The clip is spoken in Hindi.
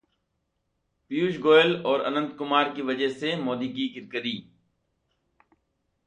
पीयूष गोयल और अनंत कुमार की वजह से मोदी की किरकिरी